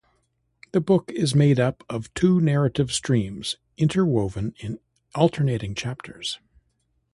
The book is made up of two narrative streams, interwoven in alternating chapters.